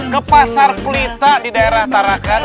ke pasar pelita di daerah tarakan